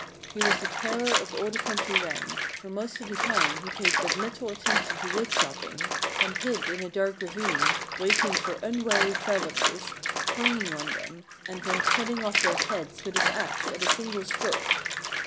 He was the terror of all the country round ; for most of the time he paid but little attention to wood chopping, and hid in a dark ravine, waiting for unwary travellers, springing on them, and then cutting off their heads with his axe at a single stroke.